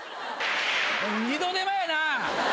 二度手間やなぁ！